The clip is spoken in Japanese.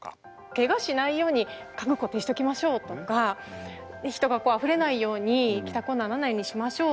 けがしないように家具固定しておきましょうとか人があふれないように帰宅困難になんないようにしましょう。